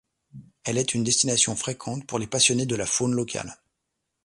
Elle est une destination fréquente pour les passionnées de la faune locale.